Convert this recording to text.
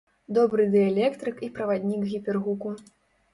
Добры дыэлектрык і праваднік гіпергуку.